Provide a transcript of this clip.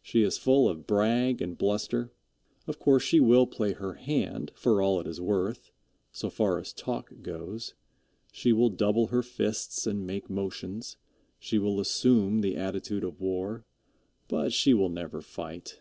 She is full of brag and bluster. Of course she will play her hand for all it is worth, so far as talk goes. She will double her fists and make motions. She will assume the attitude of war, but she will never fight.